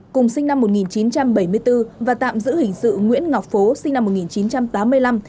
cùng sinh năm một nghìn chín trăm bảy mươi bốn và tạm giữ hình sự nguyễn ngọc phố sinh năm một nghìn chín trăm tám mươi năm